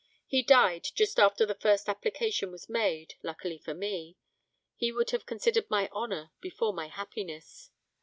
He died just after the first application was made, luckily for me. He would have considered my honour before my happiness.